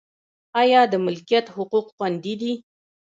آیا د ملکیت حقوق خوندي دي؟